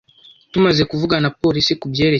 Tumaze kuvugana na polisi kubyerekeye.